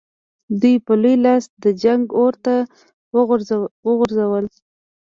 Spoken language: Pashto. دوی په لوی لاس د جنګ اور ته وغورځول.